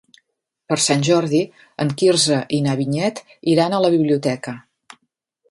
Per Sant Jordi en Quirze i na Vinyet iran a la biblioteca.